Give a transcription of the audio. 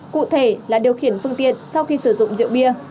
cụ thể là điều khiển phương tiện sau khi sử dụng rượu bia